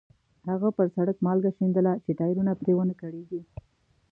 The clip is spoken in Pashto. هغه پر سړک مالګه شیندله چې ټایرونه پرې ونه کړېږي.